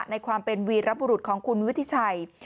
ในความเป็นวีรบุรุษของคุณวุฒิชัย